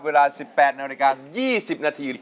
เวลา๑๘นาฬิกา๒๐นาที